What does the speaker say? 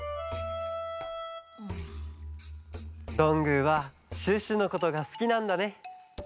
どんぐーはシュッシュのことがすきなんだね。